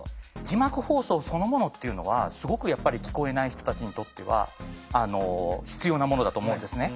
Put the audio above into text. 字幕放送そのものっていうのはすごくやっぱり聞こえない人たちにとっては必要なものだと思うんですね。